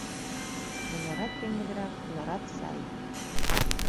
Мынярат пеҥгыдырак, тунарат сай.